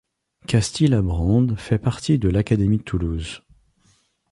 Casties-Labrande fait partie de l'académie de Toulouse.